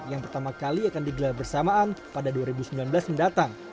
yang pertama kali akan digelar bersamaan pada dua ribu sembilan belas mendatang